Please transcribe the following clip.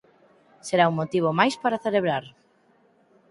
Será un motivo máis para celebrar.